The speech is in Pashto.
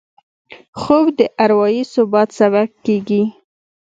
خوب د اروايي ثبات سبب کېږي